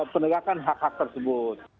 penegakan hak hak tersebut